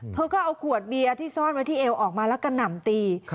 เธอก็เอาขวดเบียร์ที่ซ่อนไว้ที่เอวออกมาแล้วกระหน่ำตี